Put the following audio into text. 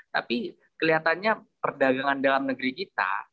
tapi kelihatannya perdagangan dalam negeri kita